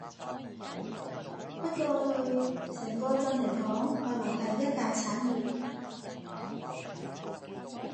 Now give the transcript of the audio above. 不過對整個鎮嚟講，物流係一大產業